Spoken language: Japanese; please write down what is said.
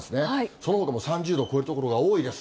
そのほかも３０度を超える所が多いです。